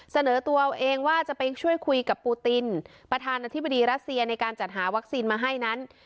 เสนอตัวเองว่าจะไปช่วยคุยกับปูตินประธานาธิบดีรัสเซียในการจัดหาวัคซีนมาให้นั้น